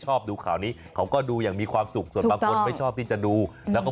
ชอบดูเข่าดูอย่างมีความสุข